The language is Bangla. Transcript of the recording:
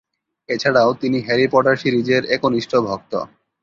এছাড়াও, তিনি হ্যারি পটার সিরিজের একনিষ্ঠ ভক্ত।